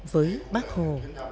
với bác hồ